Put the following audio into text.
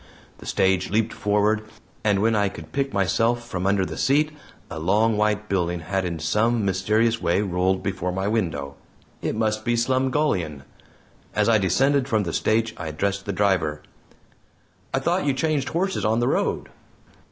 The stage leaped forward, and when I could pick myself from under the seat, a long white building had in some mysterious way rolled before my window. It must be Slumgullion! As I descended from the stage I addressed the driver: "I thought you changed horses on the road?"